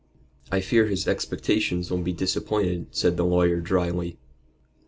"I fear his expectations will be disappointed," said the lawyer, dryly.